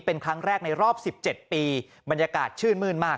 เป็นครั้งแรกในรอบ๑๗ปีบรรยากาศชื่นมื้นมาก